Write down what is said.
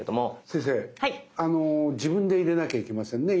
先生自分で入れなきゃいけませんね